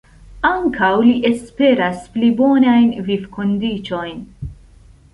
Ankaŭ li esperas pli bonajn vivkondiĉojn.